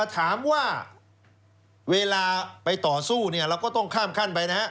ถามว่าเวลาไปต่อสู้เนี่ยเราก็ต้องข้ามขั้นไปนะฮะ